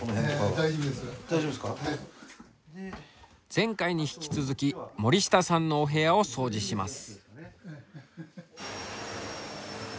前回に引き続き森下さんのお部屋を掃除します。